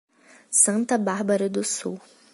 Santa Bárbara do Sul